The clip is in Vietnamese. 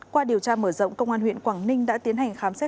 qua điều tra mở rộng công an huyện quảng ninh đã tiến hành khám xét